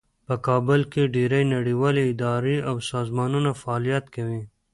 په کابل کې ډیرې نړیوالې ادارې او سازمانونه فعالیت کوي